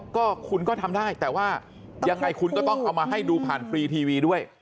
ก็คุณก็ทำได้แต่ว่ายังไงคุณก็ต้องเอามาให้ดูผ่านฟรีทีวีด้วย